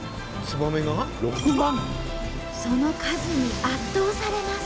その数に圧倒されます。